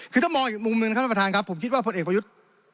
คือถ้ามองอีกมุมหนึ่งครับท่านประธานครับผมคิดว่าพลเอกประยุทธ์